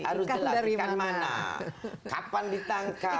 harus jelas ikan mana kapan ditangkap